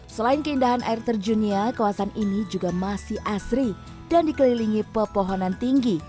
selain keindahan air terjunnya kawasan ini juga masih asri dan dikelilingi pepohonan tinggi